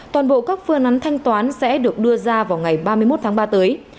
toàn bộ các phương án thanh toán sẽ được đưa ra vào ngày ba mươi một tháng ba tới